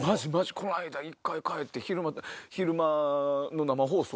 この間一回帰って昼間の生放送。